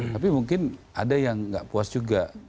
tapi mungkin ada yang nggak puas juga